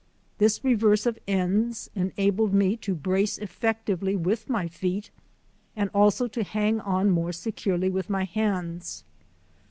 This reverse of ends en abled me to brace effectively with my feet, and also to hang on more securely with my hands.